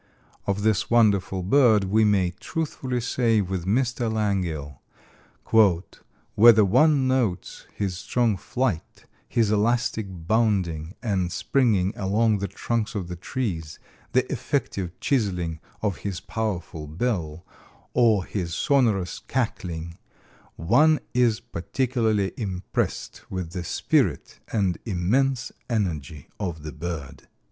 Of this wonderful bird we may truthfully say with Mr. Langille, "Whether one notes his strong flight, his elastic bounding and springing along the trunks of the trees, the effective chiseling of his powerful bill, or his sonorous cackling, one is particularly impressed with the spirit and immense energy of the bird."